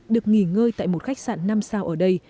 được nghỉ ngơi tại một khách sạn năm sao ở đây